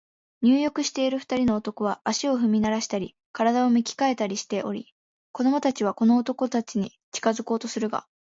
入浴している二人の男は、足を踏みならしたり、身体を向き変えたりしており、子供たちはこの男たちに近づこうとするが、